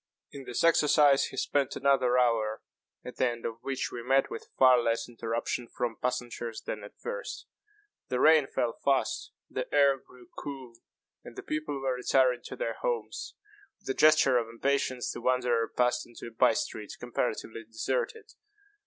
In this exercise he spent another hour, at the end of which we met with far less interruption from passengers than at first. The rain fell fast; the air grew cool; and the people were retiring to their homes. With a gesture of impatience, the wanderer passed into a bye street comparatively deserted.